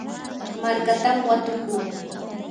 markatam watukuu.